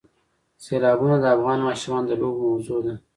سیلابونه د افغان ماشومانو د لوبو موضوع ده.